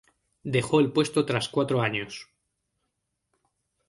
Dejó el puesto tras cuatro años.